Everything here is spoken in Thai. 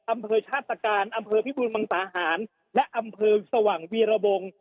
อำเภอชาติตการอำเภอพิบูรมังสาหารและอำเภอสว่างวีรบง